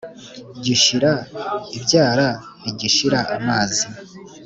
Gishira ibyara ntigishira amazi.